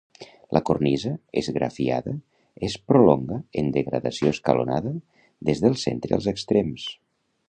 La cornisa, esgrafiada, es prolonga en degradació escalonada des del centre als extrems.